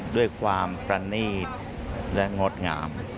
ด้วยความประนีตและงดงาม